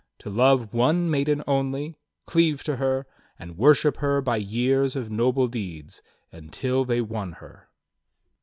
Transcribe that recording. To love one maiden only, cleave to her, And worship her by years of noble deeds. Until they won her."